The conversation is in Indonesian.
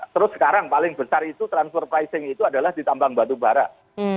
terus sekarang paling besar itu transfer pricing itu adalah di tambang batubara